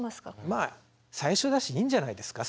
まあ最初だしいいんじゃないですか？